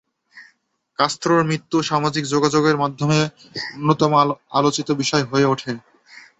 কাস্ত্রোর মৃত্যু সামাজিক যোগাযোগের মাধ্যমে অন্যতম সর্বোচ্চ আলোচিত বিষয় হয়ে ওঠে।